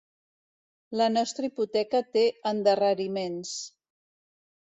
La nostra hipoteca té endarreriments.